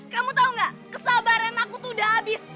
kamu tahu gak kesabaran aku tuh udah habis